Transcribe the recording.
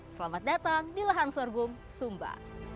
selamat datang di lahan sorghum sumba